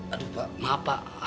aduh pak maaf pak